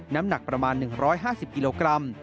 น้ำหนักประมาณ๑๕๐กิโลกรัม